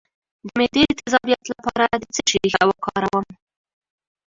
د معدې د تیزابیت لپاره د څه شي ریښه وکاروم؟